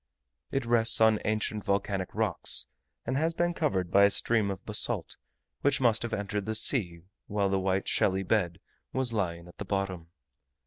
It rests on ancient volcanic rocks, and has been covered by a stream of basalt, which must have entered the sea when the white shelly bed was lying at the bottom.